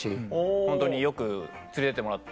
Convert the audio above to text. ホントによく連れてってもらって。